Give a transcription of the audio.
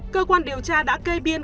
cơ quan điều tra đã kê biên